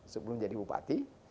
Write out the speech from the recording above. sebelum jadi bupati